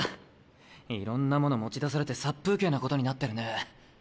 いろんなもの持ち出されて殺風景なことになってるね。